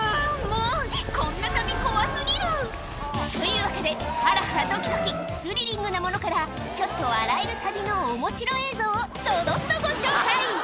もうこんな旅怖過ぎるというわけでハラハラドキドキスリリングなものからちょっと笑える旅の面白映像をどどっとご紹介